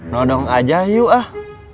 nodong aja yuk ah